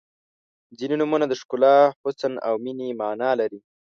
• ځینې نومونه د ښکلا، حسن او مینې معنا لري.